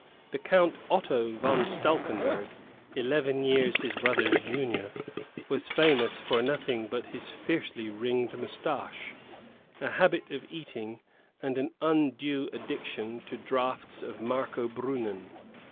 The Count Otto von Stalkenberg, eleven years his brother's junior, was famous for nothing but his fiercely ringed moustache, a habit of eating, and an undue addiction to draughts of Marcobrunen.